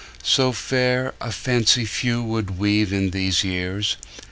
So fair a fancy few would weave In these years!